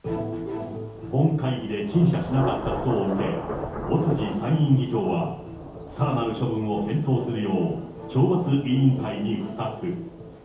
本会議で陳謝しなかったことを受け、尾辻参院議長は、さらなる処分を検討するよう、懲罰委員会に付託。